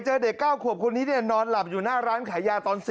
เจอเด็ก๙ครับคนนี้เนี่ยนอนหลับอยู่หน้าร้านขายาตอน